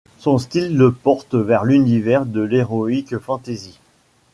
Son style le porte vers l'univers de l'heroic fantasy.